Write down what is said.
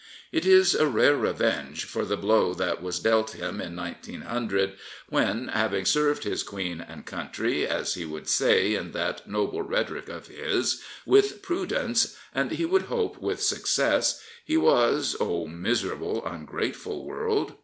It is a rare revenge for the blow that was dealt him in 1900, when, having served his Queen and country, as he would say in that noble rhetoric of his, with pmdence, and he would hope with some success, he was — oh, miserable, ungrateful world!